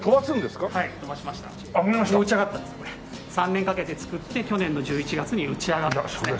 ３年かけて作って去年の１１月に打ち上がったんですね。